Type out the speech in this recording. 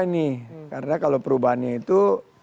nih karena kalau perubahannya itu